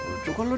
lucu kan lu